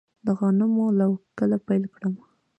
د غنمو لو کله پیل کړم؟